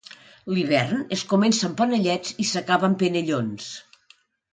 L'hivern es comença amb panellets i s'acaba amb penellons.